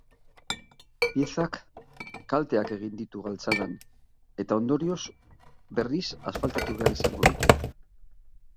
Piezak kalteak egin ditu galtzadan, eta ondorioz berriz asfaltatu behar izango dute.